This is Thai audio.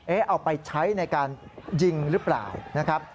เอาไปใช้ในการยิงหรือเปล่านะครับ